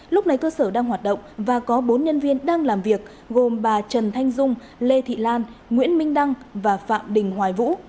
lúc này cơ sở đang hoạt động và có bốn nhân viên đang làm việc gồm bà trần thanh dung lê thị lan nguyễn minh đăng và phạm đình hoài vũ